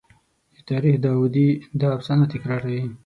د تاریخ داودي دا افسانه تکراروي.